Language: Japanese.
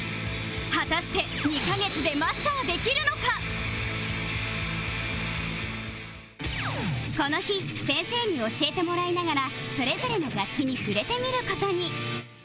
果たしてこの日先生に教えてもらいながらそれぞれの楽器に触れてみる事に